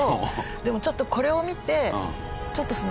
でもちょっとこれを見てちょっとその。